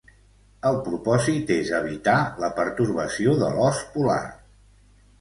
El propòsit és evitar la pertorbació de l'ós polar.